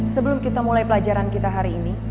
sebelum kita mulai pelajaran kita hari ini